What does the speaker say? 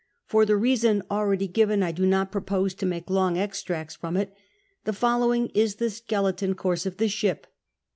For the reason already given I do not pro^iose to make long extracts from it. The following is the skeleton course of the ship.